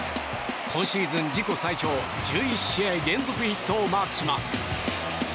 今シーズン自己最長１１試合連続ヒットをマークします。